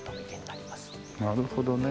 なるほどね。